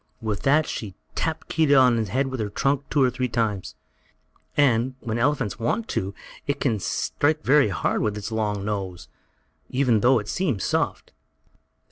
With that she tapped Keedah on his head with her trunk two or three times, and, when an elephant wants to, it can strike very hard with its long nose, even though it seems soft.